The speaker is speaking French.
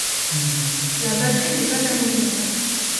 La batterie n'est pas amovible.